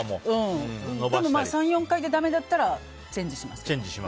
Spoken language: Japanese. でも３４回でだめならチェンジします。